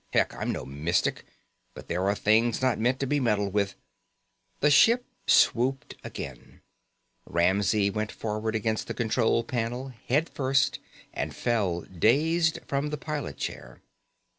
heck, I'm no mystic, but there are things not meant to be meddled with ..._ The ship swooped again. Ramsey went forward against the control panel head first and fell dazed from the pilot chair.